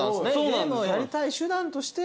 ゲームをやりたい手段としてやって。